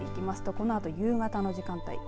このあと夕方の時間帯